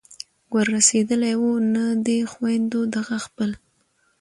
ور رسېدلي وو نو دې خویندو دغه خپل